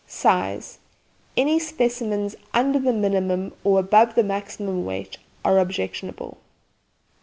SIZE Any specimens under the minimum, or above the maximum weight, are objectionable.